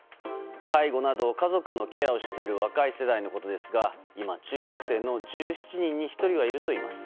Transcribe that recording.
介護など家族のケアをしている若い世代のことですが今、中学生の１７人に１人はいるといいます。